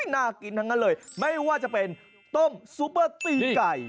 น่ากินทั้งนั้นเลยไม่ว่าจะเป็นต้มซุปเปอร์ตีไก่